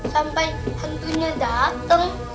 sampai hantunya dateng